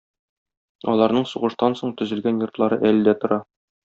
Аларның сугыштан соң төзелгән йортлары әле дә тора.